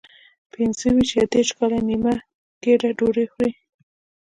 پنځه ویشت یا دېرش کاله نیمه ګېډه ډوډۍ خوري.